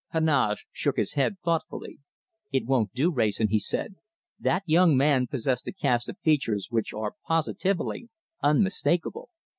Heneage shook his head thoughtfully. "It won't do, Wrayson," he said. "That young man possessed a cast of features which are positively unmistakable."